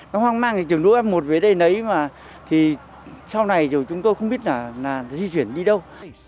nó hoang mang trường đua f một về đây sau này chúng tôi không biết di chuyển đi đâu